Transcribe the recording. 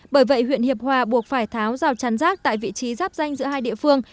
bởi vậy huyện hiệp hòa buộc phải tháo rào chắn rác tại vị trí giáp danh giữa hai địa phương